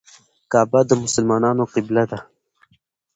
کعبه د مسلمانانو قبله ده.